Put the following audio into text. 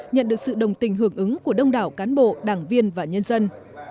nhận được sự đồng tình hưởng ứng của đông đảo cán bộ đảng viên và nhân dân